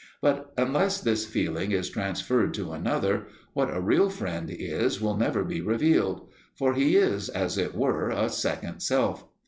But unless this feeling is transferred to another, what a real friend is will never be revealed; for he is, as it were, a second self.